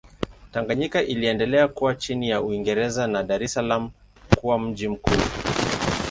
Tanganyika iliendelea kuwa chini ya Uingereza na Dar es Salaam kuwa mji mkuu.